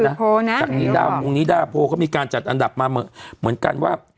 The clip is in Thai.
โพลก็คือโพลนะนายกบอกจากนี้ด้าวงงนี้ด้าโพลก็มีการจัดอันดับมาเหมือนกันว่า